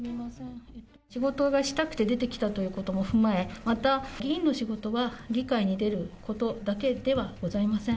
仕事がしたくて出てきたということも踏まえ、また、議員の仕事は議会に出ることだけではございません。